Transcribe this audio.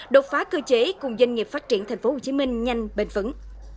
đột phá cơ chế cùng doanh nghiệp phát triển tp hcm nhanh bền vững